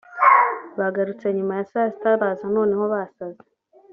Bagarutse nyuma ya saa sita baza noneho basaze